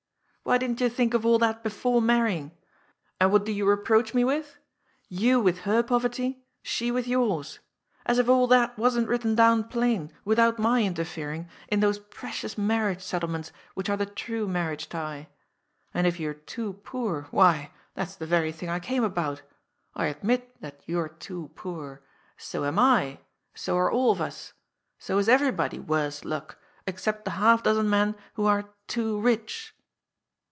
Why didn't you think of all that before marrying ? And what do you reproach me with? You with her pov erty. She with yours. As if all that wasn't written down plain — without my interfering — in those precious marriage settlements which are the true marriage tie. And if you're too poor, why, that's the very thing I came about. I admit that you're too poor. So am I. So are all of us. So is everybody — ^worse luck — except the half dozen men who are too rich."